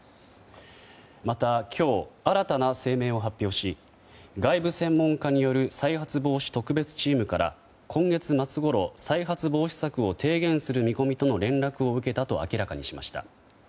また、今日新たな声明を発表し外部専門家による再発防止特別チームから今月末ごろ再発防止策を提言する見込みとの連絡を受けたと明らかにしました。